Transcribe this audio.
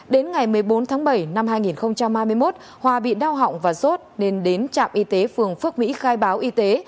đến ngày một mươi bốn tháng bảy năm hai nghìn hai mươi một hòa bị đau họng và sốt nên đến trạm y tế phường phước mỹ khai báo y tế